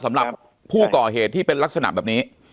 สำหรับผู้ก่อเหตุที่เป็นลักษณะแบบนี้